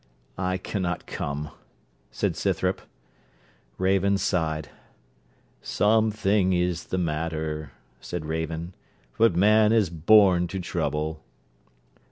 'I cannot come,' said Scythrop. Raven sighed. 'Something is the matter,' said Raven: 'but man is born to trouble.'